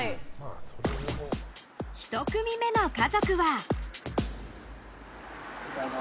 １組目の家族は。